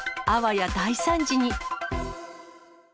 あわや大惨事に。